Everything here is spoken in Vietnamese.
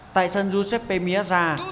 tại sân giuseppe miazza